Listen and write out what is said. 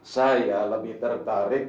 saya lebih tertarik